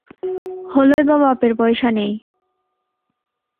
হলই বা বাপের পয়সা নেই?